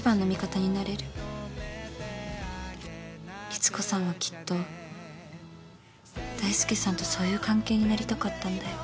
リツコさんはきっと大介さんとそういう関係になりたかったんだよ。